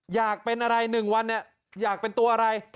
อยากเป็นอะไร๑วันเนี่ยอยากเป็นตัวอะไร